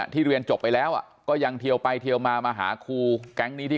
เรียนจบไปแล้วก็ยังเทียวไปเทียวมามาหาครูแก๊งนี้ที่